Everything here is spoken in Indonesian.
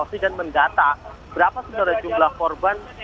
mengembangkan dan menggata berapa sudah ada jumlah korban